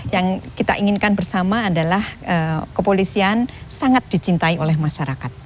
yang kita inginkan bersama adalah kepolisian sangat dicintai oleh masyarakat